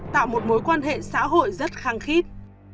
tạo một mối quan hệ xã hội rất khăng khít